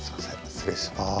失礼します。